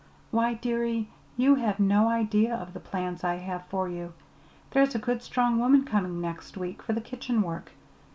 Why, dearie, you have no idea of the plans I have for you. There's a good strong woman coming next week for the kitchen work.